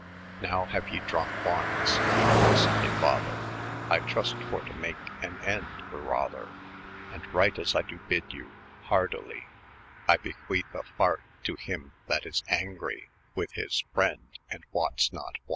Now ye haue dronk ones, good goostly father, I trnst for to make an endo the rather ;" IT And write as I do byd yoa, hardyly :' I bequethe a fart to hym that is angry With his frond, and wotes not why.